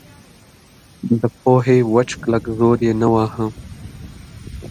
د پوهې وچ کلک زور یې نه واهه.